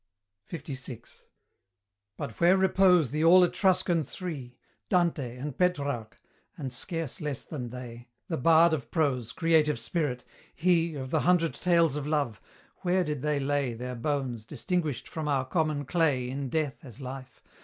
LVI. But where repose the all Etruscan three Dante, and Petrarch, and, scarce less than they, The Bard of Prose, creative spirit! he Of the Hundred Tales of love where did they lay Their bones, distinguished from our common clay In death as life?